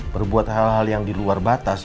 berbuat hal hal yang di luar batas